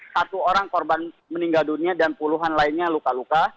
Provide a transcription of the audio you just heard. satu orang korban meninggal dunia dan puluhan lainnya luka luka